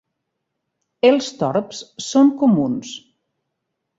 Els torbs són comuns.